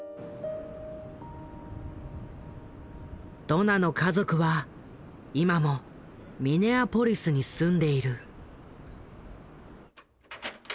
ドナの家族は今もミネアポリスに住んでいる。